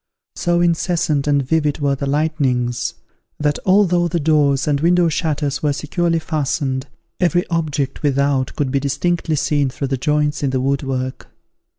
So incessant and vivid were the lightnings, that although the doors and window shutters were securely fastened, every object without could be distinctly seen through the joints in the wood work!